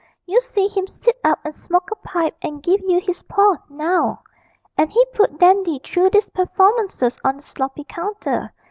You see him sit up and smoke a pipe and give yer his paw, now.' And he put Dandy through these performances on the sloppy counter.